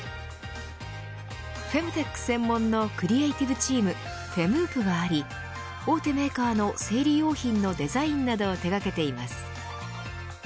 フェムテック専門のクリエイティブチームフェムープがあり大手メーカーの生理用品のデザインなどを手掛けています。